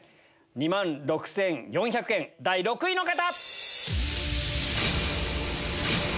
２万６４００円第６位の方！